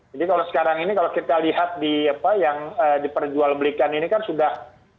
jadi kalau sekarang ini kalau kita lihat di perjual belikan ini kan sudah